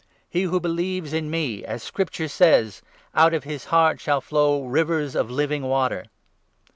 He 38 who believes in me As Scripture says, Out of his heart shall flow rivers of ' Living Water.'